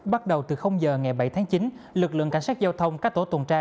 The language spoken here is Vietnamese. bắt đầu từ giờ ngày bảy tháng chín lực lượng cảnh sát giao thông các tổ tuần tra